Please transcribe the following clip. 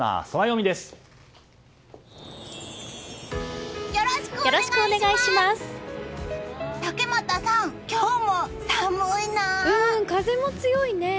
うん、風も強いね。